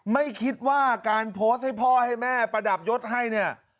ไม่คิดว่าการโพสต์ให้พ่อให้แม่ประดับยศให้เนี่ย